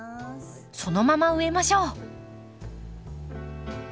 そのまま植えましょう。